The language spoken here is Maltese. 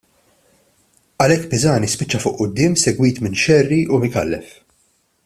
Għalhekk Pisani spiċċa fuq quddiem segwit minn Scerri u Micallef.